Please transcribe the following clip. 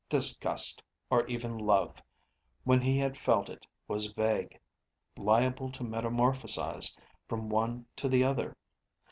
Disgust, or even love, when he had felt it was vague, liable to metamorphasize from one to the other.